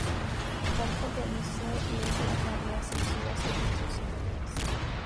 Tal compromiso les acarrea censuras, secuestros y multas.